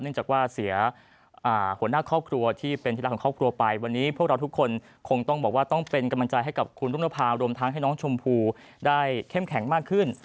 จากว่าเสียหัวหน้าครอบครัวที่เป็นที่รักของครอบครัวไปวันนี้พวกเราทุกคนคงต้องบอกว่าต้องเป็นกำลังใจให้กับคุณรุ่งนภารวมทั้งให้น้องชมพู่ได้เข้มแข็งมากขึ้น